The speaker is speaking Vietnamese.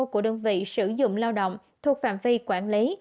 của đơn vị sử dụng lao động thuộc phạm vi quản lý